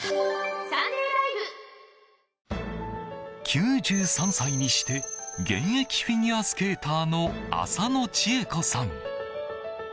９３歳にして現役フィギュアスケーターの浅野千江子さん。